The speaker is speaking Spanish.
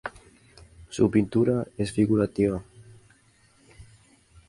Su pintura es figurativa.